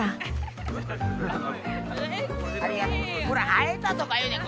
「会えた」とか言うねん。